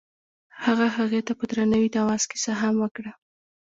هغه هغې ته په درناوي د اواز کیسه هم وکړه.